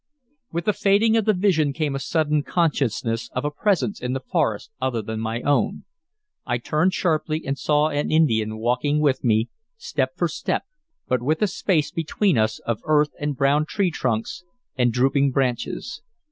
With the fading of the vision came a sudden consciousness of a presence in the forest other than my own. I turned sharply, and saw an Indian walking with me, step for step, but with a space between us of earth and brown tree trunks and drooping branches.